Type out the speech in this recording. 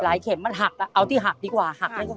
หลายเข็มเอาที่หักดีกว่า